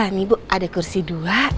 ini bu ada kursi dua